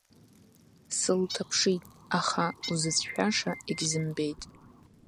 Сылҭаԥшит, аха узыцәшәаша егьзымбеит.